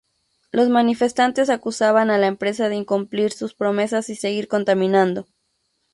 Los manifestantes acusaban a la empresa de incumplir sus promesas y seguir contaminando.